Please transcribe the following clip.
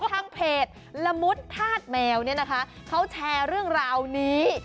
ทางเพจละมุดธาตุแมวเนี่ยนะคะเขาแชร์เรื่องราวนี้